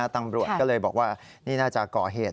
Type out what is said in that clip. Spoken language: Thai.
ตำรวจก็เลยบอกว่านี่น่าจะก่อเหตุ